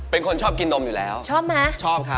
เป็นคนชอบกินนมอยู่แล้วปุ๊ปมากแอฟเผอร์ชอบมั้ย